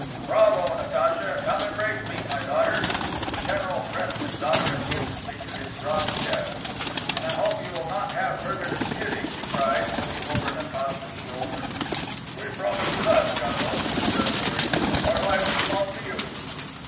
"Bravo, Natacha. Come, embrace me, my daughter." The general pressed his daughter effusively to his broad chest. "And I hope you will not have further disputing," he cried, looking over Natacha's shoulder. "We promise you that, General," declared Boris. "Our lives belong to you."